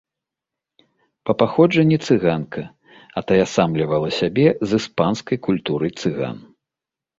Па паходжанні цыганка, атаясамлівала сябе з іспанскай культурай цыган.